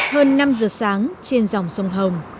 hơn năm giờ sáng trên dòng sông hồng